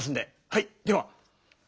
はいでは。